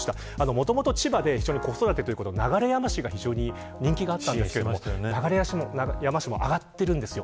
もともと千葉で子育てというのは流山市が人気があったんですが流山市も上がっているんですよ。